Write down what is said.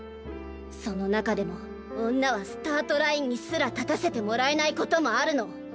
その中でも女はスタートラインにすら立たせてもらえないこともあるの。